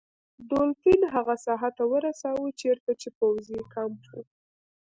دولفین هغه ساحل ته ورساوه چیرته چې پوځي کمپ و.